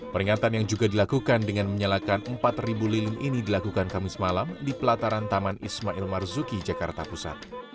peringatan yang juga dilakukan dengan menyalakan empat lilin ini dilakukan kamis malam di pelataran taman ismail marzuki jakarta pusat